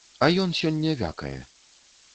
А ён сёння вякае.